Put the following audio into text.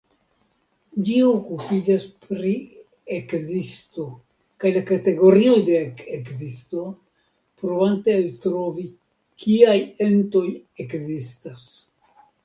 Ĝi okupiĝas pri ekzisto kaj la kategorioj de ekzisto, provante eltrovi kiaj entoj ekzistas.